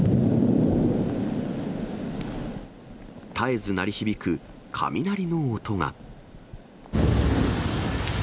絶えず鳴り響く雷の音が。